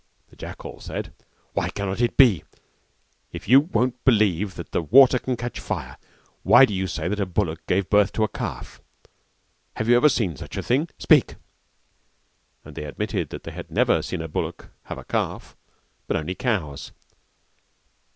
The jackal said, "Why cannot it be? If you won't believe that water can catch fire why do you say that a bullock gave birth to a calf? Have you ever seen such a thing? Speak," And they admitted that they had never seen a bullock have a calf, but only cows.